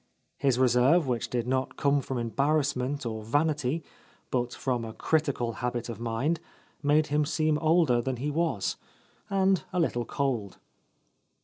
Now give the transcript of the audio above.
His reserve, which did not come from A Lost Lady embarrassment or vanity, but from a critical habit of mind, made him seem older than he was, and a little cold.